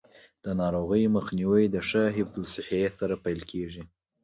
د ناروغیو مخنیوی د ښه حفظ الصحې سره پیل کیږي.